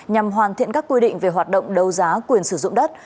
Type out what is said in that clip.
nhằm hoàn thiện các quy định về hoạt động đấu giá quyền sử dụng đất